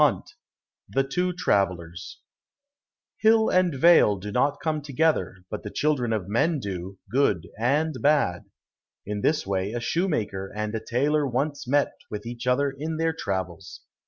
107 The Two Travellers Hill and vale do not come together, but the children of men do, good and bad. In this way a shoemaker and a tailor once met with each other in their travels.